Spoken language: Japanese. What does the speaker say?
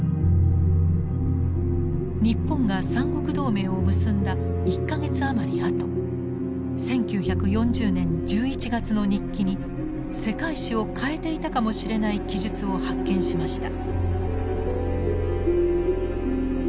日本が三国同盟を結んだ１か月余りあと１９４０年１１月の日記に世界史を変えていたかもしれない記述を発見しました。